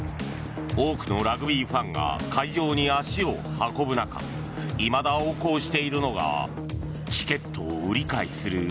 多くのラグビーファンが会場に足を運ぶ中いまだ横行しているのがチケットを売り買いする